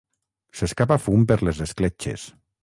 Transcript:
S'escapa fum per les escletxes.